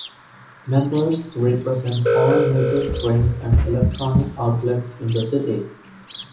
Members represent all major print and electronic outlets in the city.